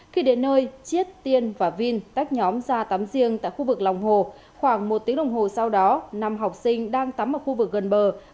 khi đến nơi chiết tiên và vin tách nhóm ra tắm riêng tại khu vực lòng hồ khoảng một tiếng đồng hồ sau đó năm học sinh đang tắm ở khu vực gần bờ